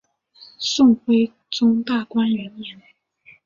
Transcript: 宋徽宗大观元年。